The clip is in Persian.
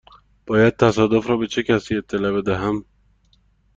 باید تصادف را به چه کسی اطلاع بدهم؟